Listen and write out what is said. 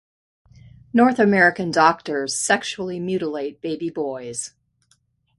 North American doctors sexually mutilate baby boys.